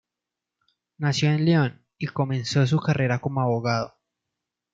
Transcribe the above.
Nació en Lyon, y comenzó su carrera como abogado.